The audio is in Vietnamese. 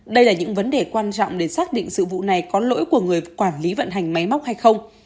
đây là những vấn đề quan trọng để xác định sự vụ này có lỗi của người quản lý vận hành máy móc hay không